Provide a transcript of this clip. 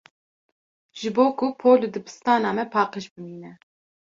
Ji bo ku pol û dibistana me paqij bimîne.